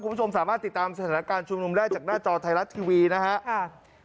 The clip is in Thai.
คุณผู้ชมสามารถติดตามสถานการณ์ชุมนุมได้จากหน้าจอไทยรัฐทีวีนะฮะค่ะ